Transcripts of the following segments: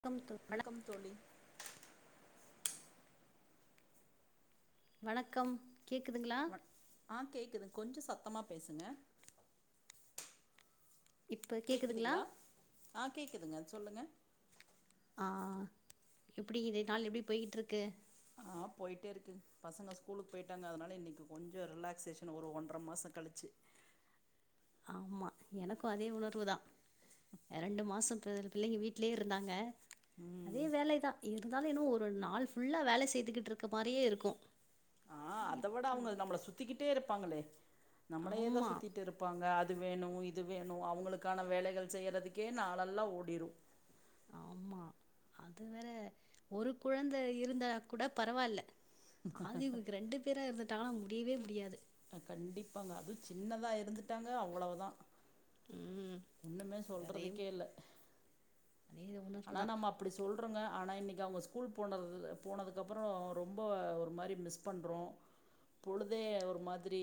வணக்கம் தோ வண வணக்கம் தோழி வணக்கம் கேக்துங்களா வண் ஆ கேட்குதுங்க கொஞ்ச சத்தமா பேசுங்க இப்போ கேட்குதுங்களா கேக்குதுங்களா ஆ கேக்குதுங்க சொல்லுங்க ஆ எப்டி இது நாள் எப்டி போயிட்ருக்கு ஆ போயிட்டே இருக்குது பசங்க ஸ்கூலுக்கு போயிட்டாங்க அதனா இன்னைக்கு கொஞ்ச ரிலாக்சேஷன் ஒரு ஒன்ற மாச கழிச்சி ஆமா எனக்கு அதே உணர்வு தா அ ரெண்டு மாச [unintelligible] பிள்ளைங்க வீட்லயே இருந்தாங்க அதே ம் வேலைதா இரு இருந்தாலு இன்னு ஒரு நாள் ஃபுல்லா வேல செய்துகிட்ருக்க மாரியே இருக்கு ஆ அத விட அவுங்க நம்மள சுத்திக்கிட்டே இருப்பாங்களே நம்மளேயே தா ஆமாம் சுத்திட்டு இருப்பாங்க அ அது வேணு இது வேணு அவுங்களுக்கான வேலைகள் செய்யறதுக்கே நாளல்லா ஓடிரு ஆமா அது வேற ஒரு குழந்த இருந்தா கூட பரவால்ல ஆதிவுக்கு ரெண்டு பேரா இருந்துட்டாலா முடியவே முடியாது அ கண்டிப்பாங்க அது சின்னதா இருந்துட்டாங்க அவ்வளவுதா ம் ஒண்ணுமே அதே சொல்றதுக்கே இல்ல அதே உணர்வு ஆனா தான் நம்ம அப்டி சொல்றோங்க ஆனால் இன்னைக்கு அவங்க ஸ்கூல் போனது போனதுக்கப்புறம் ரொம்ப ஒரு மாரி மிஸ் ப பண்றோம் பொழுதே ஒரு மாதிரி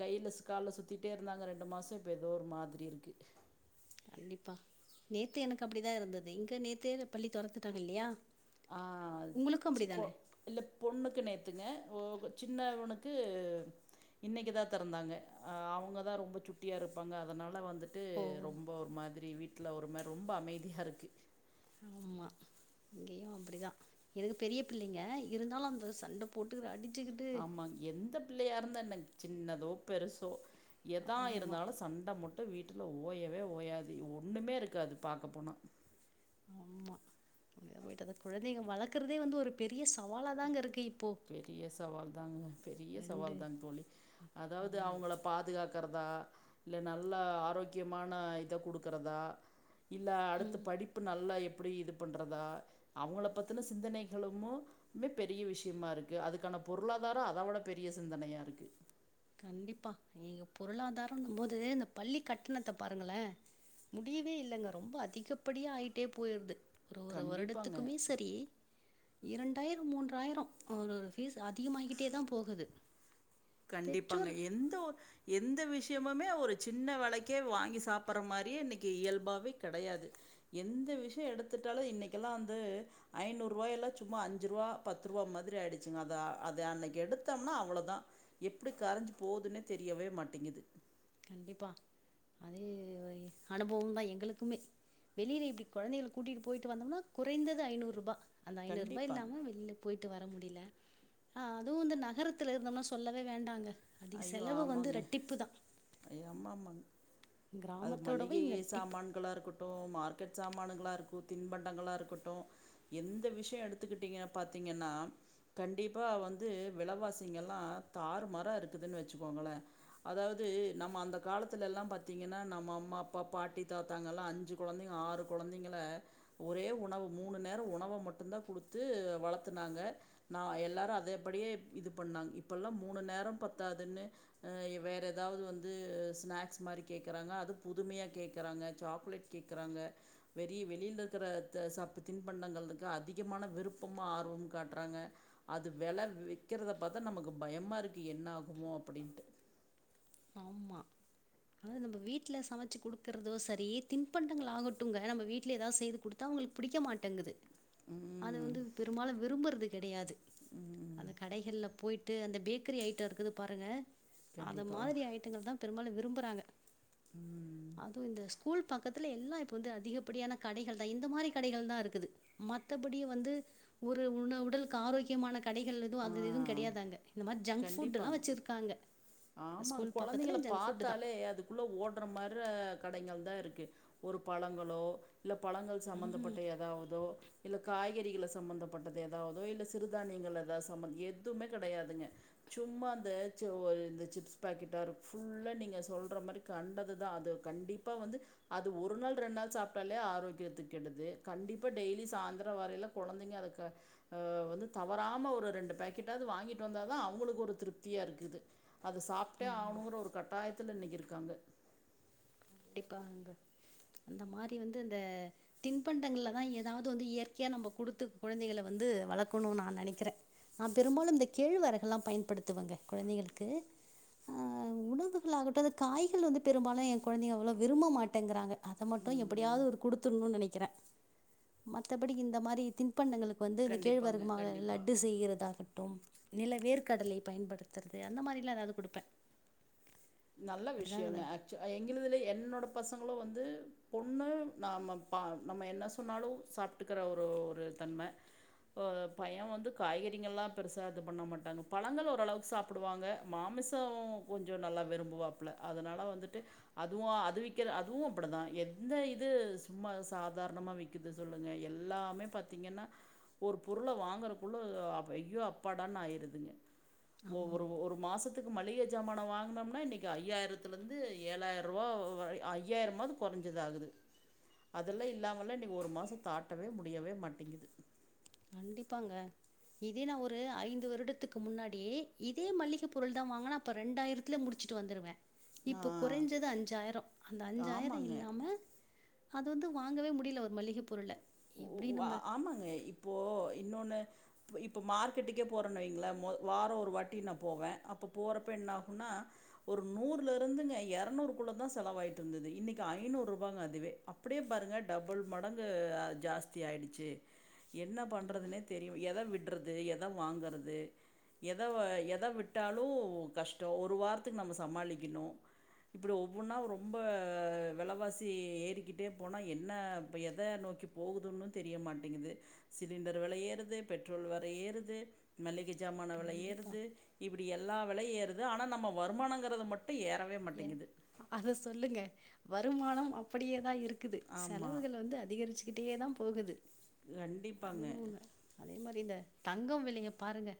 கையில சிக் கால்ல சுத்திட்டே இருந்தாங்க ரெண்டு மாசம் இப்ப ஏதோ ஒரு மாதிரி இருக்கு கண்டிப்பா நேத்து எனக்கு அப்படிதான் இருந்தது இங்க நேத்தே பள்ளி துரத்துட்டாங்க இல்லையா ஆ உங்களுக்கும் சிக்கோ அப்படிதானே இல்ல பொண்ணுக்கு நேத்துங்க ஓ சின்னவனுக்கு இன்னைக்கு தான் திறந்தாங்க அவுங்க தான் ரொம்ப சு ட்டியா இருப்பாங்க அதனால் வந்துட்டு ஓ ரொம்ப ஒரு மாரி வீட்டில் ஒரு மாரி ரொம்ப அமைதியா இருக்கு ஆமா இங்கேயும் அப்டி தான் என்னது பெரிய பிள்ளங்க இருந்தாலும் அந்த சண்ட போட்டுக்கிற அடிச்சுக்கிட்டு ஆமாங்க எந்த பிள்ளையா இருந்தா என்னங்க சின்னதோ பெருசோ எதா ஆமா இருந்தாலும் சண்ட மட் டு வீட்ல ஓயவே ஓயாது ஒன்னுமே இருக்காது பாக்க போனா ஆமா உயிர போயிட்டத கொழந்தங்க வளக்கறதே வந்து ஒரு பெரிய சவாலா தாங்க இருக்கு இப்போ பெரிய சவால் தாங்க பெரிய ரெண்டு சவால் தாங்க தோழி அதாவ்து ஆமா அவுங்கள பாதுகாக்கிறதா இல்ல நல்ல ஆரோக்கியமான இத குடுக்குறதா இல்ல அடுத்து படிப் பு நல்லா எப்டி இது பண்றதா அவுங்கள பத்தின சிந்தனைகளுமோ மே பெரிய விஷ் யமா இருக்கு அதுக்கான பொருளாதாரம் அத விட பெரிய சிந்தனையா இருக்கு கண்டிப்பா நீங்க பொருளாதாரம்னும் போது இந்த பள்ளி கட்டணத்த பாருங்களேன் முடியவே இல்லங்க ரொம்ப அதிகப்படியா ஆயிட்டே போயிருது ஒரு ஒரு கண்டிப்பாங்க. வருடத்துக்குமே சரி இரண்டாயிரம் மூன்றாயிரம் ஒரு ஃபீஸ் அதிகமாகிட்டே தான் போகுது கண்டிப்பாங்க பெற்றோர் எந்த எந்த விஷயமுமே ஒரு சின்ன வெலைக்கே வாங்கி சாப்ட்ற மாரியே இன்னக்கு இயல்பாவே கடையாது எந்த விஷயம் எடுத்துட்டாலும் இன்னைக்கெல்லாம் வந்து ஐநூரூவாயல்லாம் சும்மா அஞ்சு ரூவா பத்துருவா மாரி ஆயிடுச்சுங்க அத அது அன்னைக்கு எடுத்தம்னா அவ்ளோதான் எப்டி கரஞ்சி போதுன்னே தெரியவே மாட்டேங்குது கண்டிப்பா அதே அனுபவம் தான் எங்களுக்குமே வெளில இப்டி கொழந்தைகள கூட்டிட்டு போய்ட்டு வந்தோம் குறைந்தது ஐநூறுரூபா அந்த ஐநூறு ரூபா கண்டிப்பாங்க. இல்லாம வெள்ல போயிட்டு வர முடியல ஆ அதுவும் இந்த நகரத்துல இருந்தோம்னா சொல்லவே வேண்டாங்க அன்னிக்கு செலவு வந்து ரெட்டிப்பு தான் எம்மா எம்மாங்க அது கிராமத்தோடவு மளிகை இங்க ரெட்டிப்பு சாமான்களா இருக்கட் டும் மார்க்கெட் சாமானுங்களா இருக்கும் தின்பண்டங்களா இருக்கட்டும் எந்த விஷயம் எடுத்துக்கிட்டீங்க பாத்தீங்கன்னா கண்டிப்பா வந்து விலவாசிங்க எல்லாம் தாறு மாறா இருக்குதுன்னு வச்சுக்கோங்களேன் அதாவது நம்ம அந்த காலத்துல எல்லாம் பாத்தீங்கன்னா நம்ம அம்மா அப்பா பாட்டி தாத்தாங்கல்லாம் அஞ்சு கொழந்தைங்க ஆறு கொழந்தைங்கள ஒரே உணவு மூணு நேரோ உணவ மட்டு தா குடுத்து வளத்துனாங்க நா எல்லாரு அதேபடியே இது பண்ணாங்க இப்பலா மூணு நேரோ பத்தாதுன்னு வேற ஏதாவ்து வந்து ஸ்நாக்ஸ் மாரி கேக்குறாங்க அது புதுமையா கேக்குறாங்க சாக்லேட் கேக்குறாங்க வெளி வெளியில இருக்கிற சப்பு தின்பண்டங்களுக்கு அதிகமான விருப்பமு ஆர்வமு காட்றாங்க அது வெல விக்கிறத பாத்தா நமக்கு பயமா இருக்கு என்ன ஆகுமோ அப்படின்ட்டு ஆமா அதாது நம்ப வீட்ல சமைச்சு குடுக்குறதோ செரி தின்பண்டங்கள் ஆகட்டுங்க நம்ம வீட்ல எதா செய்து குடுத் தா அவுங்குளுக்கு பிடிக்க மாட்டங்குது அத ம் வந்து பெரும்பாலு விரும்றது கிடையாது ம் அந்த கடைகள்ல போயிட்டு அந்த பேக்கரி ஐட்டோ இருக்குது பாருங்க அது கண்டிப் மாதிரி ஐட்டங்கள் தா பெரும்பாலு விரும்புறாங்க ம் அதுவு இந்த ஸ்கூல் கூல் பக்கத்துல எல்லா இப்போ வந்து அதிகப்படியான கடைகள் தா இந்த மாரி கடைகள் தா இருக்குது மத்தபடி வந்து ஒரு உண உடலுக்கு ஆரோக்கியமான கடைகள் எதுவு ஆ அது எதுவு கெடையாது அங்க இந்த மாரி ஜங்க் ஃபுட்டுலா வச்சிருக்காங்க ஆமாங் ஸ்கூல் பக்கத்துல கொழந்தைகள ஜங்க் ஃபுட் தான். பாத்தாலே அது உள்ள ஓட்ற மாரி கடைகள் தா இருக்கு ஒரு பழங்களோ இல்ல பழங்கள் சம்மந்தப்பட்ட எதாவ்தோ இல்ல காய்கறிகள சம்மந்தப்பட்டது எதாவ்தோ இல்ல சிறுதானியங்கள் எதாது சம்மந் எதுமே கெடையாதுங்க சும்மா அந்த ச்சோல் இந்த சிப்ஸ் பாக்கெட்டா இருக் ஃபுல்லா நீங்க சொல்ற மாரி கண்டது தா அது கண்டிப் பா வந்து அது ஒரு நாள் ரெண் நாள் சாப்ட்டாலே ஆரோக்கியத்து கெடுது கண்டிப்பா டெய்லி சாய்ந்தரோ வரய்ல கொழந்தங்க அளுக்கு ஆ வந்து தவறாம ஒரு ரெண்டு பாக்கெட்டாது வாங்கிட்டு வந்தா தா அவ அவுங்குளுக்கு ஒரு திருப்தியா இருக்குது அத சாப்ட்டே ஆணுங்குற ஒரு கட்டாயத்துல இன்னைக்கு இருக்காங்க கண்டிப்பாங்க அந்த மாரி வந்து இந்த தின்பண்டங்கள்லதா எதாவது வந்து இயற்கையா நம்ப குடுத்து கொழந்தைகள வந்து வளக்கணு நா நெனைக்கிறே நா பெரும்பாலு இந்த கேழ்வரகுலா பயன்படுத்துவங்க கொழந்தைங்களுக்கு ஆ உணவுகள் ஆகட்டு அந்த காய்கள் வந்து பெரும்பாலு கொழந்தைங்க அவ்ளோ விரும்ப மாட்டேங்குறாங்க அத மட்டு எப்டியாது ஒரு குடுத்துட்னு நெனைக்குறே மத்த படி இந்த மாரி தின்பண்டங்களுக்கு வந்து இந்த கேழ்வரகு கண்டிப்பாங்க மாவுல கண்டிப்பாக லட்டு செய்றதாகட்டு நில வேர்க்கடலை பயன்படுத்துறது அந்த மாரிலா எதாது குடுப்பே நல்ல விஷயங்க ஆக்சு ஆ எங்குளுதுல என்னோட பசங்களு வந்து பொண்ணு நாம பா நம்ம என்ன சொன்னாலு சாப்ட்டுக்குற ஒரு ஒரு தன்ம இப்ப பைய வந்து காய்கறிகள்லா பெருசா இது பண்ண மாட்டாங்க பழங்கள் ஓரளவுக்கு சாப் ப்டுவாங்க மாமிசோ கொஞ்சோ நல்லா விரும்புவாப்பல அதனால வந்துட்டு அதுவா அது விக்கிற அதுவு அப்டிதா எந்த இது சும்மா சாதாரணமா விக் கிது சொல்லுங்க எல்லாமே பாத்தீங்கன்னா ஒரு பொருள வாங்குறக்குள்ள ஐயோ அப்பாடான்னு ஆயிருதுங்க ஆமா ஒரு ஒரு மாசத்துக்கு மல்லிக ஜாமான வாங்னோம்னா இன்னைக்கு ஐயாயிரத்துலருந்து ஏழாயிர்ருவா வ அ ஐயாயிரமாது குறைஞ்சது ஆகுது அதெல்லா இல்லாமலே இன்னைக்கு ஒரு மாசோ தாண்டவே முடியவே மாட்டிகிது கண்டிப்பாங்க இதே நா ஒரு ஐந்து வருடத்துக்கு முன்னாடி இதே மள்ளிக பொருள் தா வாங்குனா அப்ப ரெண்டாயிரத்துல முடிச்சுட்டு வந்துடுவே ஆ இப்ப குறைஞ்சது அஞ்சாயிரோ அந்த அஞ்சாயிரோ ஆமாங்க இல்லாம அது வந்து வாங்கவே முடில ஒரு மல்லிக பொருள எப்டி நம்ப ஆமாங்க இப்போ இன்னொன்னு இப்ப இப்ப மார்க்கெட்டுக்கே போறன் வைங்களே வாரோ ஒரு வாட்டி நா போவே அப்ப போறப்ப என்ன ஆகுனா ஒரு நூறுலருந்துங்க எரநூறுக்குள்ள தா செலவாய்ட்டு இருந்தது இன்னைக்கு ஐநூற்ருபாங்க அதுவே அப் ப்டியே பாருங்க டபுள் மடங் இது ஜாஸ்தி ஆய்டுச்சு என்ன பண்றதுனே தெரி எத விட் றது எத வாங்கறது எத எத விட்டாலு கஷ்டோ ஒரு வாரத்துக்கு நம்ம சமாளிக்கணு அப்றோ ஒவ்வொன்னா ரொம்ப வெலைவாசி ஏறிக்கிட்டே போனா என்ன இப்ப எத நோக்கி போகுதுன்னு தெரியமாட்டிகுது சிலிண்டர் வெல ஏறுது பெட்ரோல் வேர ஏறுது மளிக ஜாமானா வெல கண்டிப்பா. ஏறுது இப்டி எல்லா வெலையு ஏறுது ஆனா நம்ம வருமானங்கறது மட்டு ஏறவே எ மாட்டிகுது அத சொல்லுங்க வருமானோ அப்டியேதா இருக் குது ஆமாம் செலவுகள் வந்து அதிகரிச்சுக்கிட்டே தா போகுது கண்டிப்பாங்க அதுவு ஒண்ணு அதே மாரி இந்த தங்கம் விலைய பாருங்க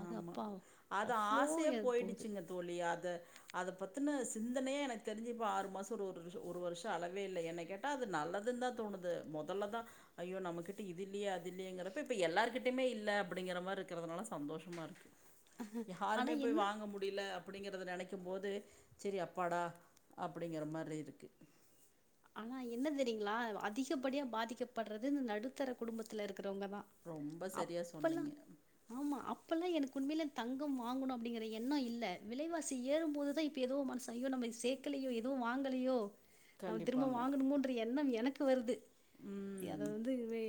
அது ஆமா. அப்பா அது அவ்ளோ ஆசையா ஏறது போது போயிடுச்சுங்க தோழி அத அத பத்துன சிந்தனைய எனக்கு தெருஞ்சு இப்ப ஆறு மாசோ ஒரு ஒரு வருஷோ ஒரு வருஷோ அளவே இல்ல என்ன கேட் டா அது நல்லதுன் தா தோணுது மொதல்ல தா ஐயோ நம்மகிட்ட இது இல்லயே அது இல்லயேங்கிறப்ப இப்ப எல்லார்கிட்டயுமே இல்ல அப்டிங்கிற மாரி இருக்கறதுனால சந்தோஷமா இருக்கு ஆனா யாருமே போய் என்ன வாங்க மு முடீல அப்பிடிங்கிறத நெனைக்கு போது செரி அப்பாடா அப்பிடிங்கிற மாரி இருக்கு ஆனா என்ன தெரியுங்களா அதிகப்படியா பாதிக்கப்பட்றது இந்த நடுத்தர குடும்பத்துல இருக்கறவங்க தா ரொம்ப சரியா சொன்னிங்க ஆமா அப்பல்லா எனக்கு உண்மையிலே தங்கம் வாங்கணு அப்டிங்கிற எண்ணோ இல்ல விலைவாசி ஏறும்போதுதா எதோ மனசு அய்யோ நம்மய சேக்கலயோ எதுவு வாங்கலயோ நம்ம திரும்ப கண்டிப்பாங்க. வாங்கணுமோன்ற எண்ணம் எனக்கு வருது அத ம். வந்து வே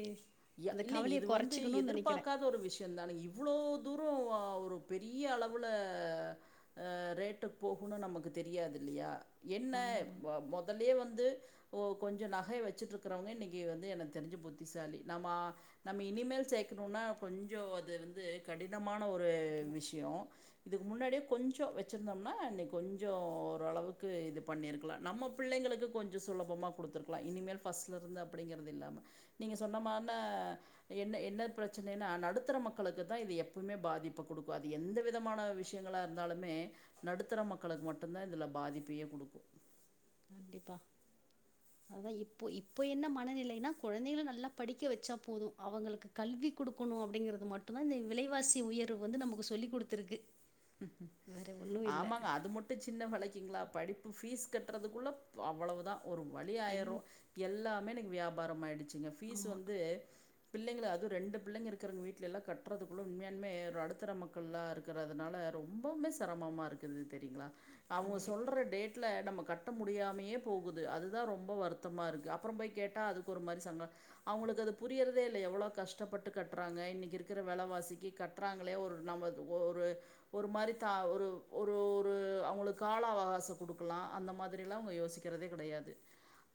ய அந்த இல்லைங்க. கவலய வந்து கொறச்சுக்கணுனுன் நெனைக்கிறே எதிர்பார்க்காத இது ஒரு விஷயோந்தான இவ்ளோ தூரோ ஒரு பெரிய அளவுல அ ரேட்டு போகுனு நமக்கு தெரியாதில்லயா என்ன ஆமா வா மொதல்லயே வந்து ஓ கொஞ்சொ நகைய வச்சுட்ருக்கறவங்க இன்னக்கி வந்து எனக்கு தெருஞ்சு புத்திசாலி நமா நம்ம இனிமேல் சேக்கணுனா கொஞ்சோ அது வந்து கடினமான ஒரு அப்படிதான் விஷ்யோ இதுக்கு முன்னாடியே கொஞ்சோ வச்சுருந்தோம்னா இன்னிக் கொஞ்சோ ஓரளவுக்கு இது பண்ணிருக்கலா நம்ம பிள்ளைகளுக்கு கொஞ்சோ சுலபமா குடுத்துருக்லா இனிமேல் ஃபஸ்ட்ல இருந்து அப்டிங்கிறது இல்லாம நீங்க சொன் னமான என்ன என்ன பிரச்சனைன்னா நடுத்தர மக்களுக்கு தா இது எப்பமே பாதிப்பு குடுக்கு அது எந்த விதமான விஷ் விஷ்யங்களா இருந்தாலுமே நடுத்தர மக்களுக்கு மட்டுந்தா இதுல பாதிப்பையே குடுக்கு கண்டிப்பா அதா இப்போ இப்ப என்ன மனநிலைன்னா குழந்தைகள நல்லா படிக்க வச்சா போது அவங்களுக்கு கல்வி குடுக்கணு அப்டிங்கிறது மட்டுந்தா இந்த விலைவாசி உயர்வு வந்து நமக்கு சொல்லி குடுத்துருக்கு வேற ஒன்னு இல்ல ஆமாங்க அது மட் ட்டு சின்ன வளைக்கிங்ளா படிப்பு பீஸ் கட்டுறதுக்குள்ள அவ்வளவுதா ஒரு வழி ஆய்ரு ஐயோ எல்லாமே இன்னைக் வியாபாரம் ஆய்டுச்சுங்க ஃபீஸ் ஆமா வந்து பிள்ளைங்கள அது ரெண்டு பிள்ளைங்க இருக்குறவங்க வீட்லல்லா கட்டுறதுக்குள்ள உண்மையான்மே ஒரு நடுத்தர மக்கள்லா இருக்கறதுனால ரொம்பமே செரமமா இருக்குது தெரிங்ளா அவுங்க கண்டிப்பா சொல்ற டேட் ல நம்ம கட்ட முடியாமயே போகுது அதுதா ரொம்ப வருத்தமா இருக்கு அப்றோ போய் கேட்டா அதுக்கு ஒரு மாரி சங்க அவுங்களுக்கு அது புரியறதே இல்ல எவளோ கஷ்டப்பட்டு கட்றாங்க இன்னைக் இருக்கற வெலவாசிக்கி கட் கட்றாங்ளே ஒரு நமது ஒரு ஒரு மாரி தா ஒரு ஒரு ஒரு அவங்களுக் கால அவகாசோ குடுக்கலா அந்த மாதிரிலா அவங்க யோசிக் கிறதே கெடையாது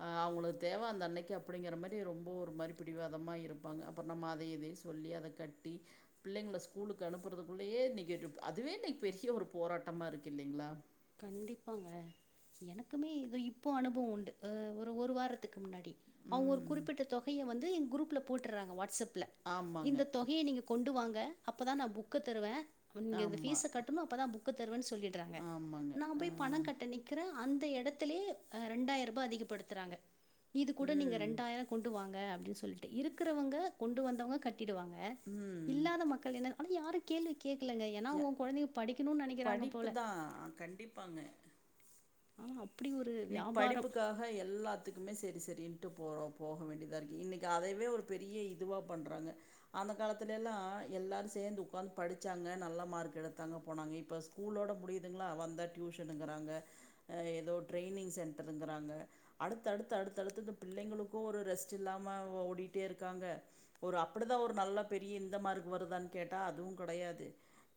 ஆ அவங்களுக்கு தேவ அந்த அன்னைக்கு அப்டிங்குற மாரி ரொம்போ ஒரு மாரி பிடிவாதமா இருப்பாங்க அப்றோ நம்ம அதையு இதையு ச் சொல்லி அத கட்டி பிள்ளைங்கள ஸ்கூலுக்கு அனுப்புறதுக்குள்ளயே நி கேட்டுட்டா அதுவே இன்னைக் பெரிய ஒரு போராட்டமா இருக்கு இல்லைங்களா கண்டிப்பாங்க எனக்குமே இதோ இப்போ அனுபவ உண்டு அ ஒரு ஒரு வாரத்துக்கு முன்னாடி அவங்க ஒரு ம். குறிப்பிட்ட தொகைய வந்து எ குரூப்ல போட்டுறாங்க வாட்ஸ்அப்ல ஆமாங்க. இந்த தொகைய நீங்க கொண்டு வாங்க அப்ப தா நா புக்க தருவே நிங்க இது ஆமா. ஃபீஸ கட்டணு அப்பதா புக்க தருவன் சொல்லிட்றாங்க ஆமாங்க. நா ஆ. போய் பண கட்ட நி குறே அந்த எடத்திலேயே அ ரெண்டாயரூபா அதிகப்படுத்துறாங்க இது கூட நீங்க ம். ரெண்டாயிர கொண்டு வாங்க அப்டி சொல்ட்டு இருக்குறவங்க கொண்டு வந்தவங்க கட்டிடுவாங்க ம் இல்லாத மக்கள் என்ன ஆனா யாரு கேள்வி கேக்குலங்க ஏன்னா அவங்க கொழந்தைங்க படிக்கணு நெனைக்கிறாங்க படிப்பு போல தான் கண்டிப்பாங்க ஆனா அப்படி ஒரு இன்னைக் வியாபாரம் படிப்புக்கா க எல்லாத்துக்குமே செரி செரின்ட்டு போறோ போக வேண்டியதா இருக்கு இன்னிக்கு அதைவே ஒரு பெரிய இதுவா பண்றாங்க அந்த காலத்துல எல்லா எல்லாரு சேந்து உக்காந்து படிச்சாங்க நல்ல மார்க் எடுத்தாங்க போனாங்க இப்பஸ் கூலோட முடியுதுங்களா வந்தா டியூஷனுங்குறாங்க அ எதோ ட்ரைெயனிங் சென்டருங்குறாங்க அடுத்து அடுத்து அடுத்து அடுத்து இந்த பிள்ளைங்களுக்கு ஒரு ரெஸ்ட் இல்லாம ஓடிட்டே இருக்காங்க ஒரு அப்டிதா ஒரு நல்ல பெரிய இந்த மார்க்கு வருதான் கேட்டா அதுவு கெடையாது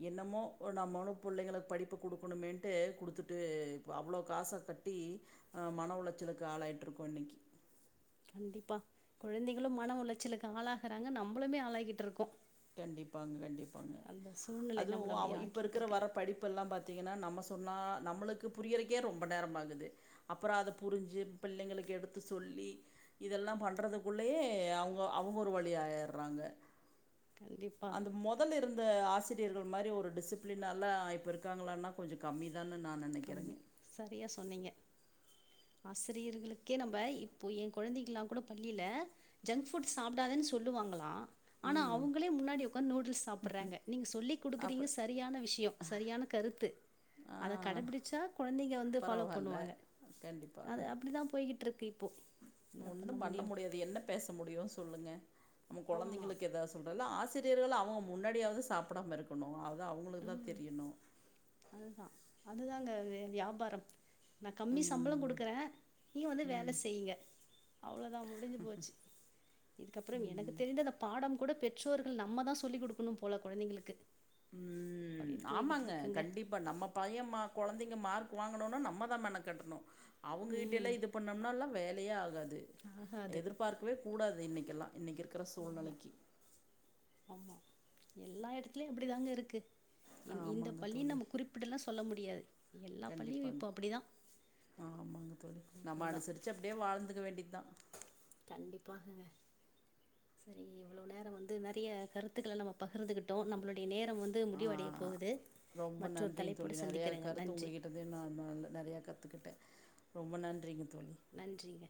என்னமோ நம்மோனோ புள்ளைங்கள படிப்பு குடுக்கணுமேன்ட்டு குடுத்துட்டு இப்போ அவ்ளோ காச கட் டி அ மன உளச்சலுக்கு ஆளாய்ட்டுருக்கோ இன்னைக்கி கண்டிப்பா குழந்தைகளு மன உளைச்சலுக்கு ஆளாகறாங்க நம்பளுமே ஆளாய்கிட்ருக்கோ கண்டிப்பாங்க கண்டிப்பாங்க சூழ்நிலை அதுவு நம்மள அப்படி அவ இப்ப ஆக்கிட்டு இருக்குற இருக்கு. வர படிப் பெல்லா பாத்தீங்கன்னா நம்ம சொன்னா நம்மளுக்கு புரியறக்கே ரொம்ப நேரம் ஆகுது அப்பறோ அத புரிஞ்சி பிள்ளைங்களுக்கு எடுத்து சொல்லி இதெல்லா பண்ணுறதுக்குள்ளயே அவங்க அவங்க ஒரு வழி ஆயிர்றாங்க கண்டிப்பா அந்த மொதல் இருந்த ஆசிரியர்கள் மாரி ஒரு டிசிப்ளின்னால்லா இப்ப இருக்காங்களான்னா கொஞ்ச‌கம்மி தான்னு நா கம்மி. நெனைக்கிறேங்க சரியா சொன்னீங்க ஆசிரியர்களுக்கே நம்ப இப்போ எ கொழந்தைகள்லா கூட பள்ளில ஜங்க் ஃபுட் சாப்டாதன் சொல்லுவாங்களா ஆனா ம் அவங்களே முன்னாடி உக்காந் நூடுல்ஸ் சாப்புட்றாங்க நீங்க் சொல்லி் குடுக்குறீங்க அப்புறோ சரியான விஷயோ சரியான கருத்து ஆ கடபிடிச்சா கொழந்தைங்க வந்து ஃபாலோ பரவால்ல பண்ணுவாங்க கண்டிப்பா அது அப்டிதா போய்கிட்ருக்கு பொ ஒன்னு பண்ண முடியாது என்ன பேச முடியு சொல்லுங்க நம்ம ஆமா. கொழந்தைங்களுக்கு எதாஸ் சொல்றல்ல ஆசிரியர்கள் அவங்க முன்னாடியாவது சாப்டாம இருக்கணு அது அவங்களுக்கா ம் தெரியணு அதுதா அதுதாங்க வே வியாபாரம் நா கம்மி சம்பள ம் கொடுக்குறே நீ வந்து வேல ம் செய்யுங்க அவ்ளோதா மு டுஞ்சு போச்சு இதுக்கப்றோ எனக்கு தெரிந்து அந்த பாடம் கூட பெற்றோர்கள் நம்ம தா சொல்லி் குடுக்கணு போல கொழந்தைங்களுக்கு ம் அப்டின்னு போய்கிட்டு ஆமாங்க இருக்குங்க கண்டிப் பா நம்ம பைய மா கொழந்தைங்க மார்க் வாங்கணுனா நம்ம தா மென கட்டணு அவங்க கிட்டேல்லா ம் இது பண்ணுனால்லா வேலையே ஆகாது ஆகாது எதிர்பார்க் கவே கூடாது இன்னிக்கெல்லா இன்னிக்கு இருக்குற சூழ்நெலைக்கி ஆமா எல்லா எடத்துலயு இப்டிதாங்க இருக்கு இந் இந்த ஆமாங்க பள்ளிய தோழி நம்ம குறிப்பிடுல்லா சொல்ல முடியாது எல்லா பள்ளியு கண்டிப்பாங்க இப்போ அப்டிதா ஆ ஆமாங்க தோழி நம்ம அவ்ளோதா அனுசரிச் சு அப்டியே வாழ்ந்துக்க வேண்டிதா கண்டிப்பாகங்க சரி இவ்ளோ நேரோ வந்து நறிய கருத்துக்கள நம்ம பஹிர்ந்துக்கிட்டோ நம்மளுடைய நேரம் வந்து ஆ முடிவடைய போகுது ரொம்ப மற்றொரு நன்றிங்க தலைப்போடு தோழி நறையா சந்திக்கிறேங்க கருத்து உங்க நன்றி கிட்ட தே நா நால நெறையா கத்துக்கிட்ட ரொம்ப நன்றிங்க தோழி நன்றிங்க